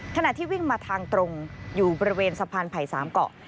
ขณะที่วิ่งมาทางตรงอยู่บริเวณสะพานไผ่๓เกาะ